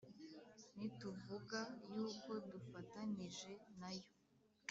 Nituvuga yuko dufatanije nayo,